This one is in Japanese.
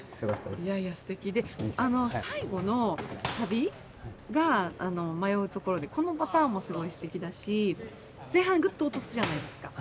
最後のサビが迷うところでこのパターンもすごいステキだし前半グッと落とすじゃないですか。